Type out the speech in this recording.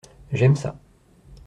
J’aime ça.